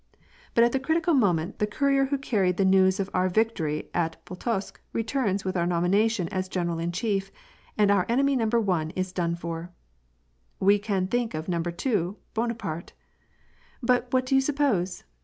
But at the critical moment tlie courier who carried the news of oar victory at Pultusk, returns with our nomination as general in ^hief, and our enemy No. 1 is done for. We can think of No. 2, Bonapsrte. But what do you suppose